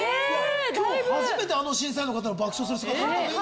今日初めてあの審査員の方の爆笑する姿を見た。